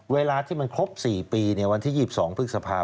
เวลาที่มันครบ๔ปีวันที่๒๒พฤษภาพ